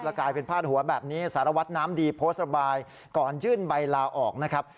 กลายเป็นพาดหัวแบบนี้สารวัตรน้ำดีโพสต์ระบายก่อนยื่นใบลาออกนะครับ